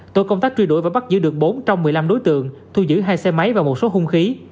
tổ công tác truy đuổi và bắt giữ được bốn trong một mươi năm đối tượng thu giữ hai xe máy và một số hung khí